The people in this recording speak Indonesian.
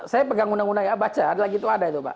saya pegang undang undang yang baca adalah gitu ada itu pak